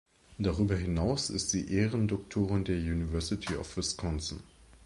Darüber hinaus ist sie Ehrendoktorin der University of Wisconsin.